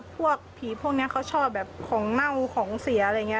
พวกผีพวกนี้เขาชอบแบบของเน่าของเสียอะไรอย่างนี้